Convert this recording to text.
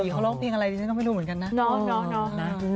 เขาร้องเพลงอะไรดิฉันก็ไม่รู้เหมือนกันนะ